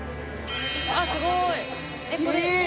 えっすごい！